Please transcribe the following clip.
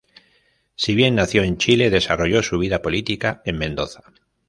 Si bien nació en Chile, desarrolló su vida política en Mendoza.